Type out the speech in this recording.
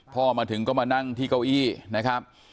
พ่อมาถึงก็มานั่งที่เก้าอี้นะครับ